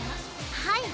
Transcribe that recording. はい。